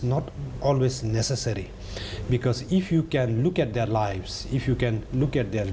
เวลาที่เรามีผู้หญิงแห่งพระเจ้าหรือพระเจ้าของพระเจ้า